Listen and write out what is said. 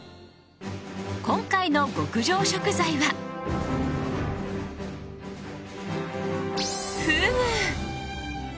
今回の極上食材は、フグ。